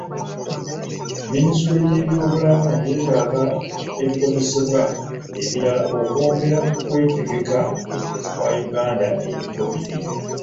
Minisitule y'ebyobulamu yeetaaga ebikozesebwa ebirala okwongera ku kwetegeka kwa Uganda eri kovidi.